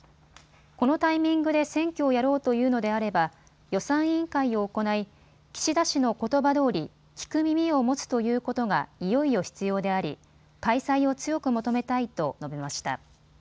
このタイミングで選挙をやろうというのであれば予算委員会を行い岸田氏のことばどおり、聞く耳を持つということがいよいよ必要であり開催を強く求めたいと述べました。